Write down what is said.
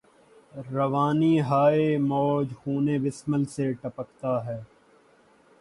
روانی ہاۓ موج خون بسمل سے ٹپکتا ہے